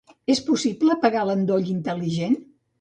És possible apagar l'endoll intel·ligent?